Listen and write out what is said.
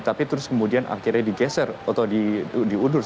tapi terus kemudian akhirnya digeser atau diundur